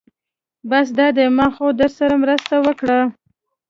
بس دا دی ما خو درسره مرسته وکړه.